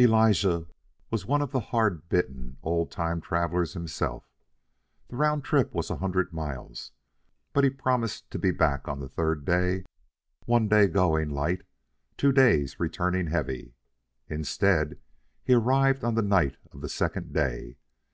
Elijah was one of the hard bitten old time travelers himself. The round trip was a hundred miles, but he promised to be back on the third day, one day going light, two days returning heavy. Instead, he arrived on the night of the second day.